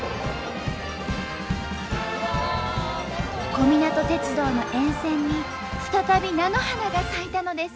小湊鉄道の沿線に再び菜の花が咲いたのです。